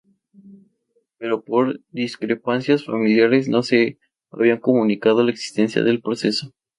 Pero por discrepancias familiares no se le habían comunicado la existencia del proceso.